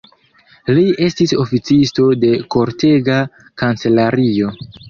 Li estis oficisto de kortega kancelario.